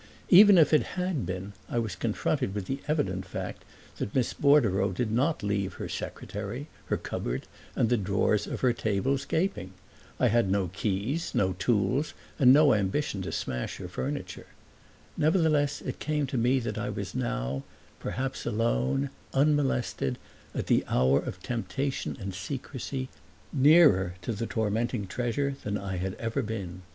Even if it had been I was confronted with the evident fact that Miss Bordereau did not leave her secretary, her cupboard, and the drawers of her tables gaping. I had no keys, no tools, and no ambition to smash her furniture. Nonetheless it came to me that I was now, perhaps alone, unmolested, at the hour of temptation and secrecy, nearer to the tormenting treasure than I had ever been.